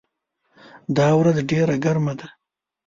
دا ورځ ډېره ګرمه ده.